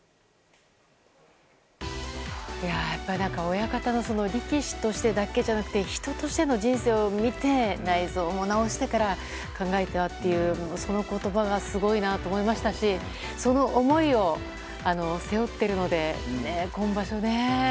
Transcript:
親方の力士としてだけじゃなくて人としての人生を見て内臓も治してから考えてはというその言葉がすごいなと思いましたしその思いを背負っているので今場所